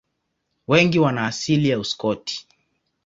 Wengi wana asili ya Uskoti.